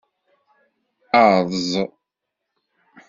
Erẓ.